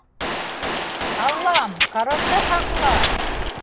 — Аллам, королде һаҡла!